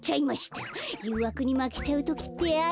ゆうわくにまけちゃうときってあるよね。